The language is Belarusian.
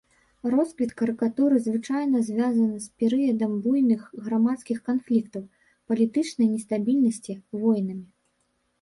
Росквіт карыкатуры звычайна звязаны з перыядам буйных грамадскіх канфліктаў, палітычнай нестабільнасці, войнамі.